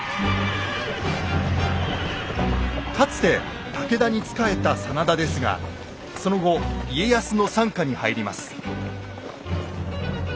かつて武田に仕えた真田ですがその後家康の傘下に入ります。